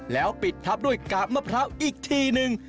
แล้วปิดทับด้วยกาบมะพร้าวอีกทีนึง